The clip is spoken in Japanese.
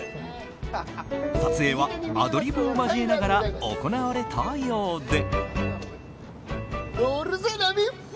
撮影はアドリブを交えながら行われたようで。